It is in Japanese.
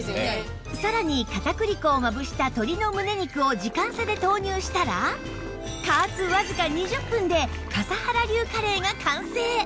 さらに片栗粉をまぶした鶏のむね肉を時間差で投入したら加圧わずか２０分で笠原流カレーが完成！